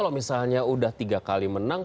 kalau misalnya udah tiga kali menang